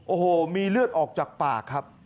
โอ้โหมีเลือดออกจากปากครับ